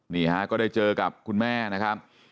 นี่ฮะก็ได้เจอกับคุณแม่นะครับ